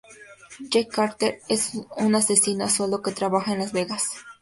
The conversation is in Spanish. Jack Carter es un asesino a sueldo que trabaja en Las Vegas.